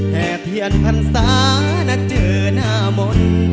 เทียนพรรษานะเจอหน้ามนต์